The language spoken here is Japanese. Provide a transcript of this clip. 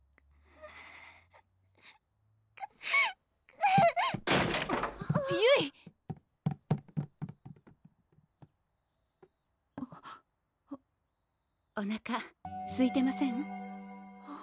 うぅゆい⁉おなかすいてません？